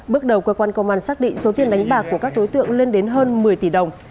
bước đầu cơ quan công an xác định số tiền đánh bạc của các đối tượng lên đến hơn một mươi tỷ đồng